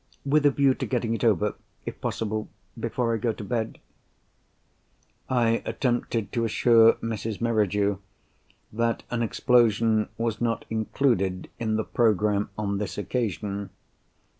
With a view to getting it over, if possible, before I go to bed." I attempted to assure Mrs. Merridew that an explosion was not included in the programme on this occasion.